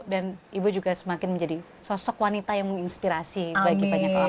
dan ibu juga semakin menjadi sosok wanita yang menginspirasi bagi banyak orang